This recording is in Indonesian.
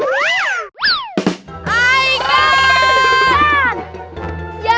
perintah perintah kita siapa sih ya